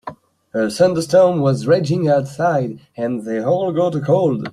A thunderstorm was raging outside and they all got a cold.